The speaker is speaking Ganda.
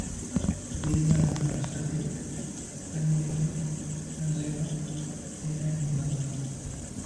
Balina abaana basatu, Nabulime, Nazziwa ne Nannyonga.